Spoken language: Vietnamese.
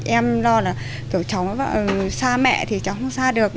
em lo là kiểu cháu xa mẹ thì cháu không xa được